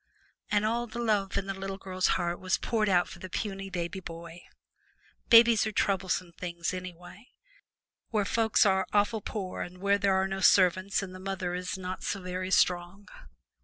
And all the love in the little girl's heart was poured out for the puny baby boy. Babies are troublesome things, anyway, where folks are awful poor and where there are no servants and the mother is not so very strong.